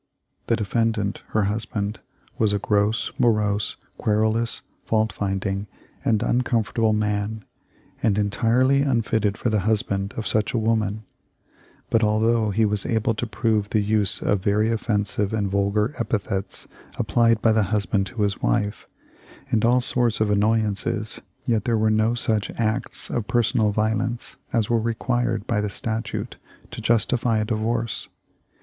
The defendant, her husband, was a gross, morose, querulous, fault finding, and uncomfortable man, and entirely unfit ted for the husband of such a woman ; but although he was able to prove the use of very offensive and vulgar epithets applied by the husband to his wife, and all sorts of annoyances, yet there were no such acts of personal violence as were required by the statute to justify a divorce.